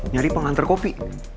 nyari pengantar kopi